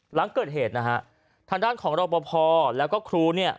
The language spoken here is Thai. หลังเกิดเหตุนะฮะทางด้านของรอปภแล้วก็ครูเนี่ย